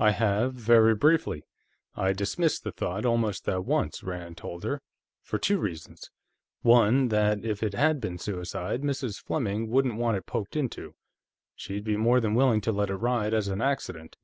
"I have, very briefly; I dismissed the thought, almost at once," Rand told her. "For two reasons. One, that if it had been suicide, Mrs. Fleming wouldn't want it poked into; she'd be more than willing to let it ride as an accident.